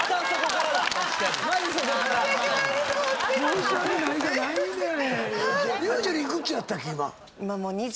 申し訳ないじゃないねん！